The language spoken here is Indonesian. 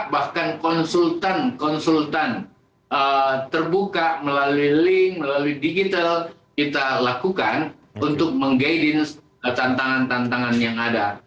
bahkan konsultan konsultan terbuka melalui link melalui digital kita lakukan untuk meng guidance tantangan tantangan yang ada